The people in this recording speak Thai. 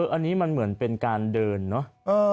อันนี้มันเหมือนเป็นการเดินเนอะ